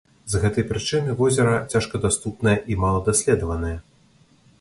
З гэтай прычыны возера цяжкадаступнае і маладаследаванае.